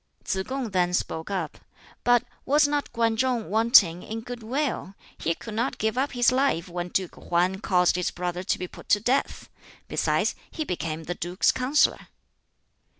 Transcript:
Tsz kung then spoke up. "But was not Kwan Chung wanting in good will? He could not give up his life when Duke Hwan caused his brother to be put to death. Besides, he became the duke's counsellor."